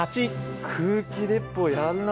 空気鉄砲やるな。